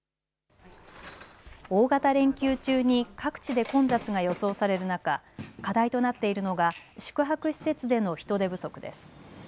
大型連休中に各地で混雑が予想される中課題となっているのが宿泊施設での人手不足です。